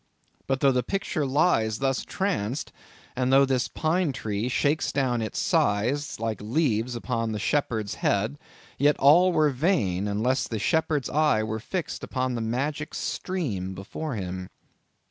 But though the picture lies thus tranced, and though this pine tree shakes down its sighs like leaves upon this shepherd's head, yet all were vain, unless the shepherd's eye were fixed upon the magic stream before him.